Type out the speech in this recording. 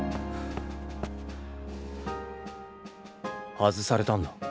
外されたんだ。